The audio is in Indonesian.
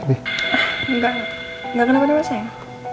enggak enggak kenapa kenapa sayang